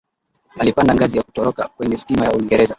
alipanda ngazi ya kutoroka kwenye stima ya uingereza